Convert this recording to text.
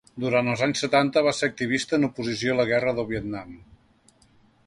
Durant els anys setanta va ser activista en oposició a la guerra del Vietnam.